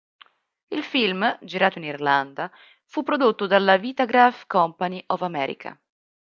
Il film, girato in Irlanda, fu prodotto dalla Vitagraph Company of America.